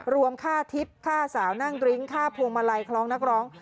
รวมค่าทิพย์ฆ่าสาวนั่งดริ้งค่าพวงมาลัยคล้องนักร้อง